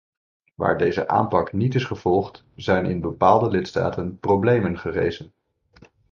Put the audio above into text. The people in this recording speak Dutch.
Waar deze aanpak niet is gevolgd, zijn in bepaalde lidstaten problemen gerezen.